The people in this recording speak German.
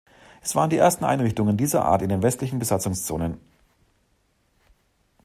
Es waren die ersten Einrichtungen dieser Art in den westlichen Besatzungszonen.